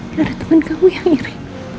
dari teman kamu yang iri